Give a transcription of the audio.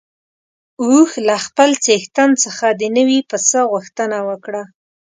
اوښ له خپل څښتن څخه د نوي پسه غوښتنه وکړه.